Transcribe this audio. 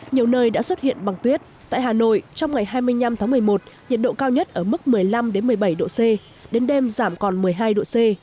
nhiều nơi đã xuất hiện bằng tuyết tại hà nội trong ngày hai mươi năm tháng một mươi một nhiệt độ cao nhất ở mức một mươi năm một mươi bảy độ c đến đêm giảm còn một mươi hai độ c